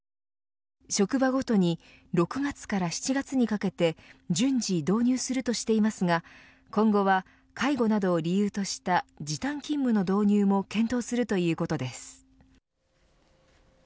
職場ごとに６月から７月にかけて順次導入するとしていますが今後は、介護などを理由とした時短勤務の導入も検討するということです。